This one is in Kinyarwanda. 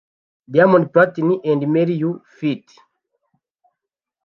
Diamond Platnumz – Marry You ft